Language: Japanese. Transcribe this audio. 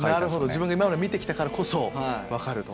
自分が今まで見て来たからこそ分かると。